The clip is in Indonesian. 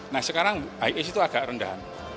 nah sekarang high itu agak rendah